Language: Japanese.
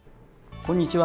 こんにちは。